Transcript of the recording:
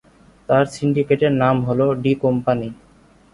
তার সিন্ডিকেটের নাম হলো ডি কম্পানি।